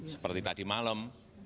seperti tadi malam